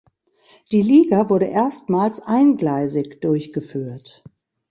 Die Liga wurde erstmals eingleisig durchgeführt.